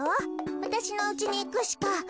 わたしのうちにいくしか。